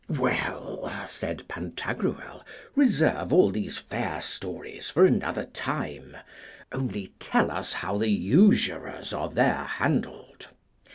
Well, said Pantagruel, reserve all these fair stories for another time, only tell us how the usurers are there handled.